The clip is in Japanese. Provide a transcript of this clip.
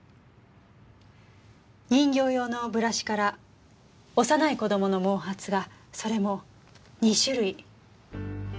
人形用のブラシから幼い子供の毛髪がそれも２種類。